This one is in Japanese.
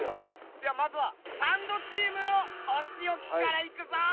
ではまずはサンドチームのお仕置きからいくぞ。